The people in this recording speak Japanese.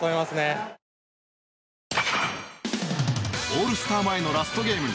オールスター前のラストゲーム。